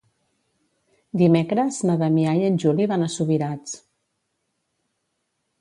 Dimecres na Damià i en Juli van a Subirats.